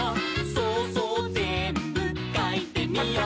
「そうそうぜんぶかいてみよう」